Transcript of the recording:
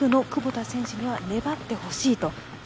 ５区の久保田選手が粘ってほしいと。